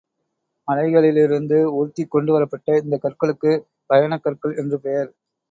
மலைகளிலிருந்து உருட்டிக் கொண்டுவரப்பட்ட இந்தக் கற்களுக்குப் பயணக் கற்கள் என்று பெயர்.